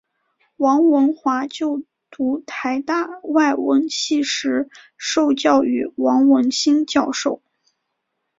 王文华就读台大外文系时受教于王文兴教授。